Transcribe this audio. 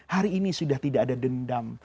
hari ini sudah tidak ada dendam